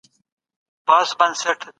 تعلیم د پرمختګ تر ټولو لویه وسیله ده.